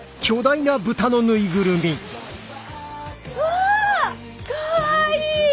うわかわいい！